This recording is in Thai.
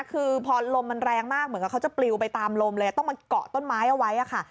คือพอลมมันแรงมากเหมือนกับเขาจะปลิวไปตามลมเลยต้องมาเกาะต้นไม้เอาไว้ค่ะ